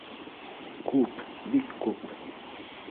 Күп, бик күп